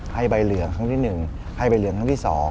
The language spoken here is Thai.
ให้ใบเหลืองครั้งที่๑ให้ใบเหลืองครั้งที่๒